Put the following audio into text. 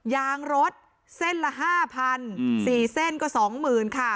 ยางรถเส้นละห้าพันอืมสี่เส้นก็สองหมื่นค่ะ